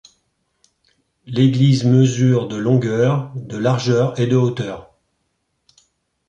L'église mesure de longueur, de largeur et de hauteur.